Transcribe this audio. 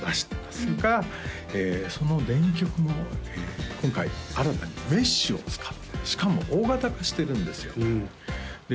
それからその電極も今回新たにメッシュを使ってしかも大型化してるんですよで